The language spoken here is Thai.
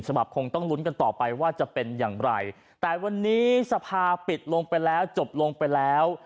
คงต้องลุ้นกันต่อไปว่าจะเป็นอย่างไรแต่วันนี้สภาปิดลงไปแล้วจบลงไปแล้ว